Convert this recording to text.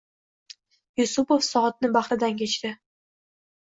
Yusupov soatni bahridan kechdi